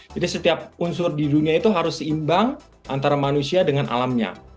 jadi setiap unsur di dunia itu harus seimbang antara manusia dengan alamnya